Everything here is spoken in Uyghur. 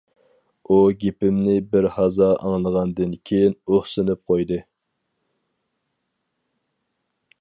ئۇ گېپىمنى بىر ھازا ئاڭلىغاندىن كېيىن ئۇھسىنىپ قويدى.